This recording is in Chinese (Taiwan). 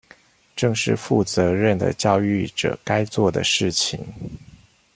正是負責任的教育者該做的事情